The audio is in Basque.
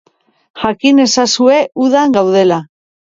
Jakin ezazue udan gaudela.